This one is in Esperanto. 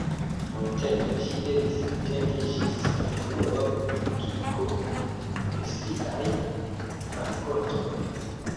Longtempe ŝi devis atendi ĝis la unua publikigo de siaj rakontoj.